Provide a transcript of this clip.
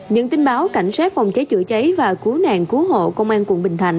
những tin báo cảnh sát phòng cháy chữa cháy và cứu nạn cứu hộ công an quận bình thạnh